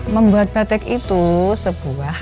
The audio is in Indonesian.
membuat batik itu sebuah